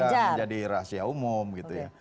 ini kan sudah menjadi rahasia umum gitu ya